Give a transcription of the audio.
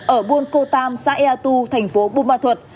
ở buôn cô tam xã ea tu thành phố bù ma thuật